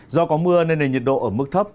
do có mưa nên nền nhiệt độ ở mức thấp